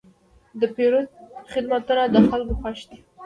د پیرود خدمتونه د خلکو خوښ دي.